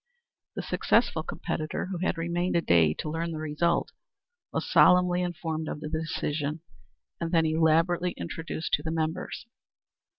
The successful competitor, who had remained a day to learn the result, was solemnly informed of the decision, and then elaborately introduced to the members.